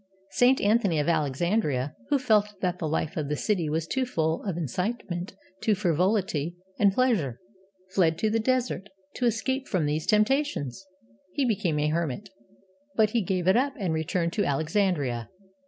Saint Anthony, of Alexandria, who felt that the life of the city was too full of incitement to frivolity and pleasure, fled to the desert, to escape from these temptations. He became a hermit. But he gave it up, and returned to Alexandria.